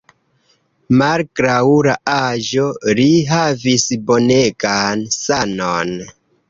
Malgraŭ la aĝo, li havis bonegan sanon.